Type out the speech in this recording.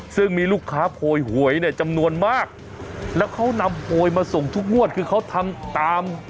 ซึ่งมีลูกค้าโพยหวยเนี่ยจำนวนมากแล้วเขานำโพยมาส่งทุกงวดคือเขาทำตาม